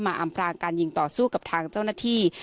อำพรางการยิงต่อสู้กับทางเจ้าหน้าที่